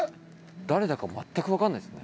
誰だか全く分かんないっすね。